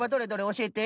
おしえて？